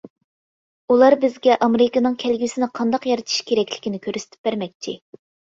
ئۇلار بىزگە ئامېرىكىنىڭ كەلگۈسىنى قانداق يارىتىش كېرەكلىكىنى كۆرسىتىپ بەرمەكچى.